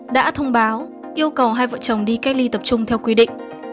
đã thông báo yêu cầu hai vợ chồng đi cách ly tập trung theo quy định